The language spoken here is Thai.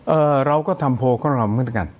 เออเราก็ทำโพก็ลำเงินนี้กัน